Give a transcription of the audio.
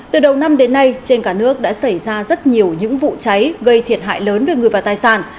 từ đầu năm đến nay trên cả nước đã xảy ra rất nhiều những vụ cháy gây thiệt hại lớn về người và tài sản